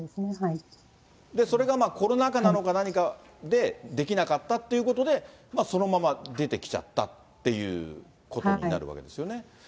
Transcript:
それがまあ、コロナ禍なのか何かでできなかったっていうことで、そのまま出てきちゃったっていうことになるわけですよね。